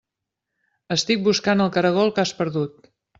Estic buscant el caragol que has perdut.